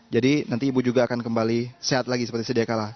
jadi nanti ibu juga akan kembali sehat lagi seperti setiap kalah